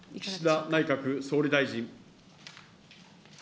岸田内閣総理大臣。